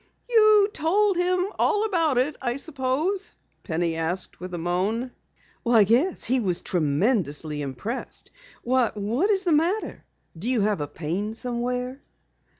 "You told him all about it I suppose?" Penny asked with a moan. "Yes, he was tremendously impressed. Why, what is the matter? Do you have a pain somewhere?"